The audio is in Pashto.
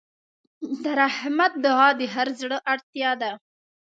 د رحمت دعا د هر زړه اړتیا ده.